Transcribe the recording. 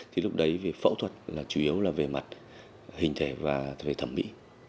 thì lúc đấy phẫu thuật là chủ yếu là về mặt hình thể và về thẩm mỹ